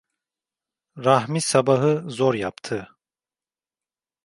Rahmi sabahı zor yaptı…